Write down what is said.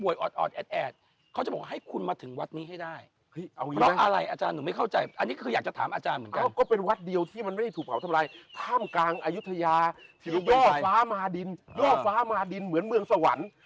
อยู่ทะยาชิคกี้พายที่รับความย่อฟ้ามาดินเหมือนเมืองสวรรค์